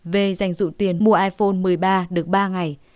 v dành dụng tiền mua iphone một mươi ba được ba ngày